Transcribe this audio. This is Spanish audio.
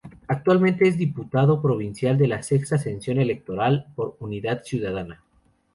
Actualmente es Diputado Provincial de la Sexta Sección Electoral por Unidad Ciudadana.